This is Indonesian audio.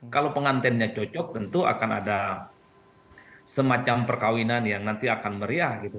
kalau pengantennya cocok tentu akan ada semacam perkawinan yang nanti akan meriah gitu